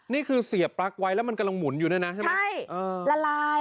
นี่คือเสียบปลั๊กไว้แล้วมันกำลังหมุนอยู่เนี่ยนะใช่ไหมละลาย